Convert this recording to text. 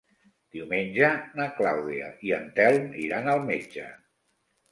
Diumenge na Clàudia i en Telm iran al metge.